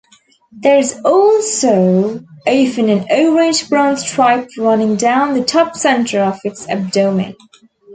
There is also often an orange-brown stripe running down the top-centre of its abdomen.